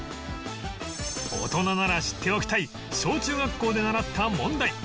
大人なら知っておきたい小中学校で習った問題